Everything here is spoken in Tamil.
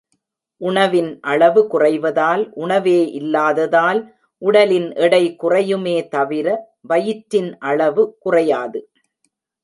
உணவின் அளவு குறைவதால், உணவே இல்லாததால், உடலின் எடை குறையுமே தவிர, வயிற்றின் அளவு குறையாது.